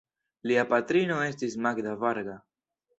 Lia patrino estis Magda Varga.